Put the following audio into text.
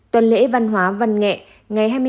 tuần lễ văn hóa văn nghệ ngày hai mươi hai